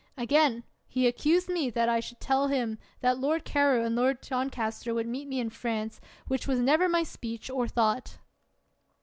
Again, he accused me that I should tell him that Lord Carew and Lord Doncaster would meet me in France, which was never my speech or thought.